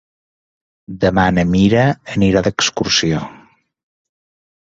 Demà na Mira anirà d'excursió.